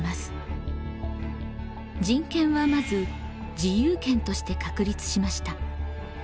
人権はまず自由権として確立しました。